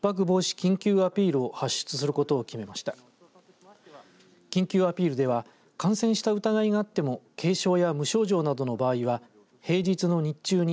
緊急アピールでは感染した疑いがあっても軽症や無症状などの場合は平日の日中に